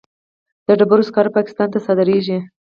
د ډبرو سکاره پاکستان ته صادریږي